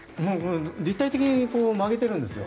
立体的に曲げているんですよ。